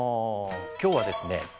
今日はですね